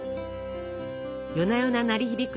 夜な夜な鳴り響く